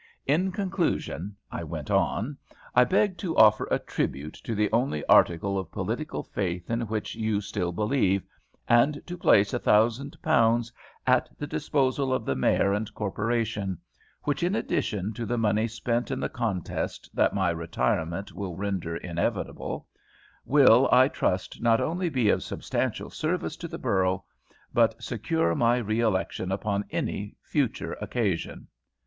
"In conclusion," I went on, "I beg to offer a tribute to the only article of political faith in which you still believe, and to place £1000 at the disposal of the mayor and corporation, which, in addition to the money spent in the contest that my retirement will render inevitable, will, I trust, not only be of substantial service to the borough, but secure my re election upon any future occasion.